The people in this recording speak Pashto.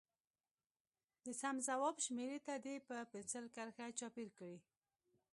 د سم ځواب شمیرې ته دې په پنسل کرښه چاپېر کړي.